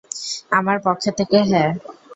আমাদের পক্ষ থেকে হ্যাঁ।